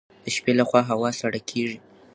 د شپې لخوا هوا سړه کیږي.